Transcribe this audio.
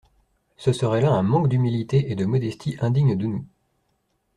Ce serait là un manque d’humilité et de modestie indigne de nous.